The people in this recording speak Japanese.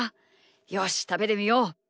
よしたべてみよう！